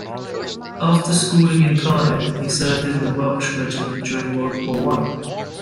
After schooling in Cardiff, he served in the Welch Regiment during World War One.